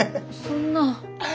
そんな。